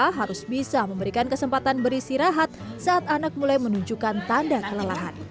mereka harus bisa memberikan kesempatan beristirahat saat anak mulai menunjukkan tanda kelelahan